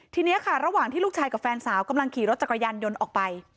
ทีนี้ค่ะระหว่างที่ลูกชายกับแฟนสาวกำลังขี่รถจักรยานยนต์ออกไป